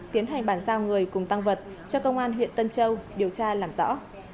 tiến hành bàn giao người cùng tăng vật cho công an huyện tân châu điều tra làm rõ